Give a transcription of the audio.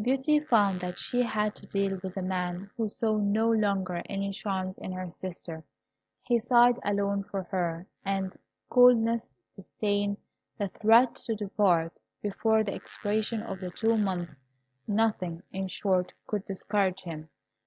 Beauty found that she had to deal with a man who saw no longer any charms in her sister. He sighed alone for her, and coldness, disdain, the threat to depart before the expiration of the two months nothing, in short, could discourage him.